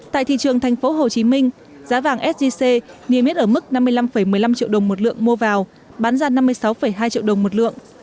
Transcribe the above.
tại thị trường thành phố hồ chí minh giá vàng sgc niêm yết ở mức năm mươi năm một mươi năm triệu đồng một lượng mua vào bán ra năm mươi sáu hai triệu đồng một lượng